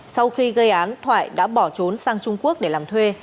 sau khi gây án thoại đã bỏ trốn sang trung quốc để làm thuê